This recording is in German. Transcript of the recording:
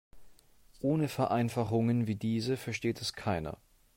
Ohne Vereinfachungen wie diese versteht es keiner.